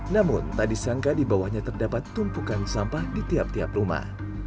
namun tak disangka di bawahnya terdapat tumpukan sampah di tiap tiap rumah